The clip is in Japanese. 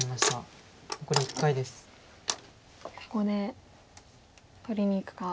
ここで取りにいくか。